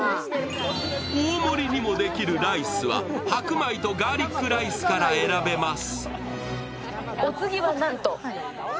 大盛りにもできるライスは白米とガーリックライスから選べます。